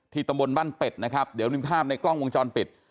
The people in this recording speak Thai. ตำบลบ้านเป็ดนะครับเดี๋ยวมีภาพในกล้องวงจรปิด